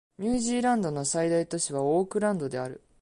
ニュージーランドの最大都市はオークランドである